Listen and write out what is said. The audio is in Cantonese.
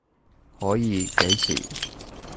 可以，幾時？